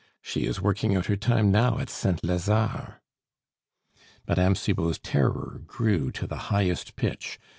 She is working out her time now at St. Lazare." Mme. Cibot's terror grew to the highest pitch.